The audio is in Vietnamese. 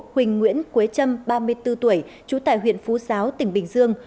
huỳnh nguyễn quế trâm ba mươi bốn tuổi trú tại huyện phú giáo tỉnh bình dương